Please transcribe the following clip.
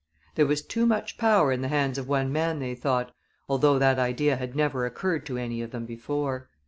There was too much power in the hands of one man, they thought, although that idea had never occurred to any of them before.